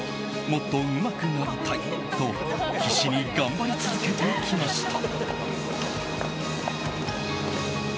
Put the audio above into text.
もっとうまくなりたいと必死に頑張り続けてきました。